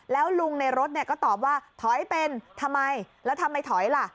แล้วลุงในรถก็ตอบว่าถอยเป็นทำไมแล้วทำไมถอยล่ะ